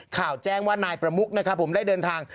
ข่าวแจ้งว่านายประมุกได้เดินทาง